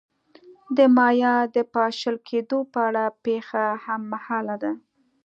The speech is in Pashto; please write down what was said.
د مایا د پاشل کېدو په اړه پېښه هممهاله ده.